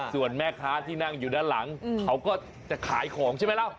ส่วนแม่ค้าที่นั่งอยู่ด้านหลังเขาก็จะขายของใช่ไหมล่ะ